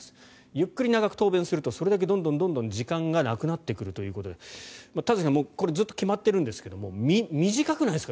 ゆっくり長く答弁するとそれだけどんどん時間がなくなっていくということで田崎さん、これはずっと決まっているんですが短くないですが？